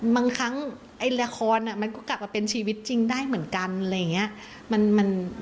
บางครั้งไอ้ละครมันก็กลับมาเป็นชีวิตจริงได้เหมือนกันอะไรอย่างนี้